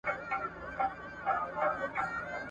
چي ډېوې یې بلولې نن له ملکه تښتېدلی !.